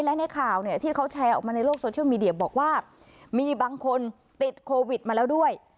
และในข่าวเนี่ยที่เขาแชร์ออกมาในโลกโซเชียลมีเดียบอกว่ามีบางคนติดโควิดมาแล้วด้วย